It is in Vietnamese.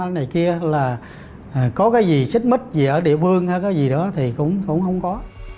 là có cái gì xích mít gì ở địa phương hay gì đó thì cũng không có